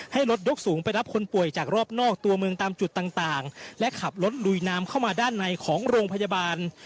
ให้รถยกสูงไปรับคนป่วยจากรอบนอกตัวเมืองตามจุดต่างและขับรถลุยน้ำเข้ามาด้านในของโรงพยาบาล